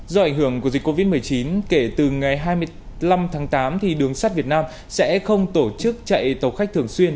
do ảnh hưởng của dịch covid một mươi chín kể từ ngày hai mươi năm tháng tám đường sắt việt nam sẽ không tổ chức chạy tàu khách thường xuyên